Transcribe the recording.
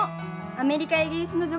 アメリカやイギリスの女